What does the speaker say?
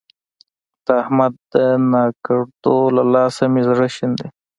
د احمد د ناکړدو له لاسه مې زړه شين دی.